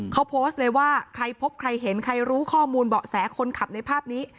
เขาโพสต์เลยว่าใครพบใครเห็นใครรู้ข้อมูลเบาะแสคนขับในภาพนี้